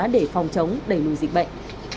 để phòng chống đẩy lùi dịch bệnh